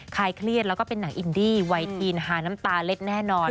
ลายเครียดแล้วก็เป็นหนังอินดี้ไวทีนฮาน้ำตาเล็ดแน่นอน